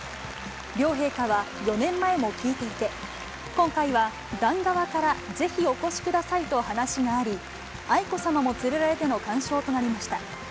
両陛下は４年前も聴いていて、今回は団側から、ぜひお越しくださいと話があり、愛子さまも連れられての鑑賞となりました。